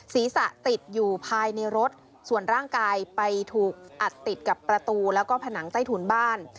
ศีรษะติดอยู่ภายในรถส่วนร่างกายไปถูกอัดติดกับประตูแล้วก็ผนังใต้ถุนบ้าน